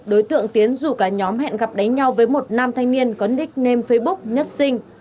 đối tượng tiến dù cả nhóm hẹn gặp đánh nhau với một nam thanh niên có nickname facebook nhất sinh